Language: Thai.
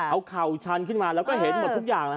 เอาเข่าชันขึ้นมาแล้วก็เห็นหมดทุกอย่าง